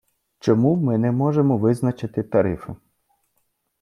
Чому ми не можемо визначити тарифи.